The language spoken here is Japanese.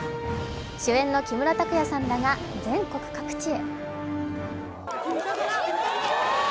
主演の木村拓哉さんらが全国各地へ。